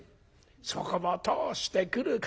そこを通してくる風